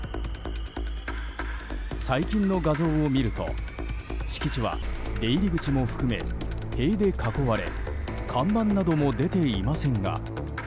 最近の画像を見ると敷地は出入り口も含め塀で囲われ看板なども出ていませんが。